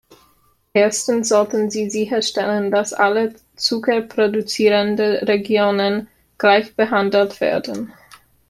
Erstens sollten sie sicherstellen, dass alle zuckerproduzierenden Regionen gleichbehandelt werden.